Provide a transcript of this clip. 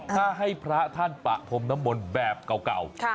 ถ้าให้พระท่านปะพรมน้ำมนต์แบบเก่า